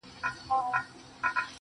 ه زړه مي په سينه كي ساته